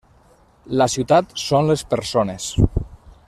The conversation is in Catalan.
La ciutat són les persones.